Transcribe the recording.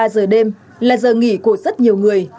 hai mươi ba giờ đêm là giờ nghỉ của rất nhiều người